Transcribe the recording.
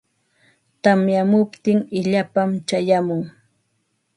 Tamyamuptin illapam chayamun.